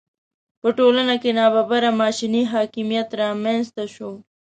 په ټولنه کې ناببره ماشیني حاکمیت رامېنځته شو.